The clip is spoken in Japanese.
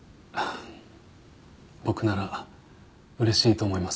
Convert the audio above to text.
僕なら嬉しいと思います。